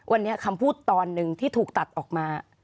วันนี้คำพูดตอนหนึ่งที่ถูกตัดออกมา